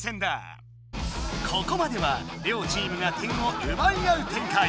ここまでは両チームが点を奪い合う展開！